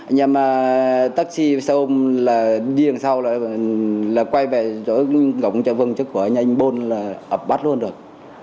nhưng mà taxi xe ôm là đi đường sau là quay về chỗ góng cho vương chức của anh anh bôn là bắt luôn được